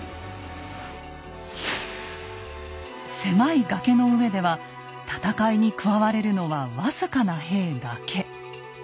狭い崖の上では戦いに加われるのは僅かな兵だけ。